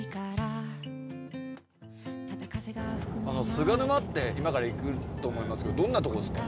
菅沼って今から行くと思いますけどどんなとこですか？